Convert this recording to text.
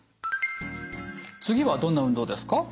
次はどんな運動ですか？